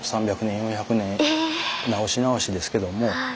４００年直し直しですけども。